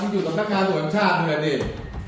พี่อยู่ตรงนักงานส่วนชาติเลย